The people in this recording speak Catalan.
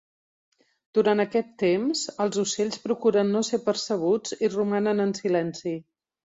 Durant aquest temps, els ocells procuren no ser percebuts i romanen en silenci.